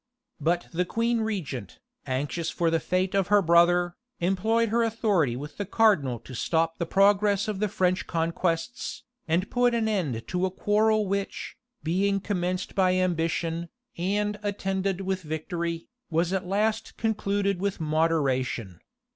But the queen regent, anxious for the fate of her brother, employed her authority with the cardinal to stop the progress of the French conquests, and put an end to a quarrel which, being commenced by ambition, and attended with victory, was at last concluded with moderation.